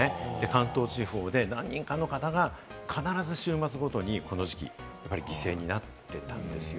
関東地方で何人かの方が必ず週末ごとにこの時期、犠牲になっていたんですよ。